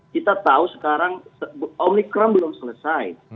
kita tahu sekarang omikron belum selesai